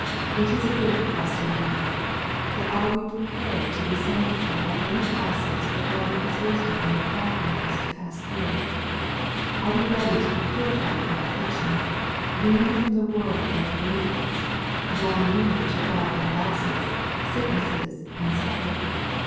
It is a good request indeed. But are we prepared to be sanctified by any process that God in His wisdom may call on us to pass through ? Are we ready to be purified by affliction, weaned from the world by bereavements, drawn nearer to God by losses, sicknesses, and sorrow